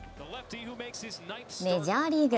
メジャーリーグ。